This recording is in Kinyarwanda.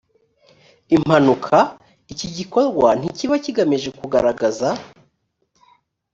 impanuka iki gikorwa ntikiba kigamije kugaragaza